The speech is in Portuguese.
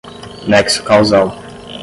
nexo causal